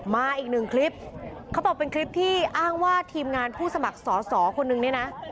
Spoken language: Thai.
มาอีกหนึ่งคลิปเขาบอกเป็นคลิปที่อ้างว่าทีมงานผู้สมัครสอสอคนนึงเนี่ยนะ